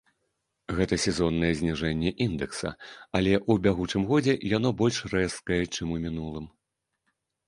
Гэта сезоннае зніжэнне індэкса, але ў бягучым годзе яно больш рэзкае, чым у мінулым.